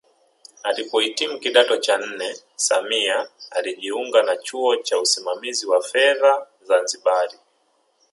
Alipohitimu kidato cha nne Samia alijiunga na chuo cha usimamizi wa fedha Zanzibari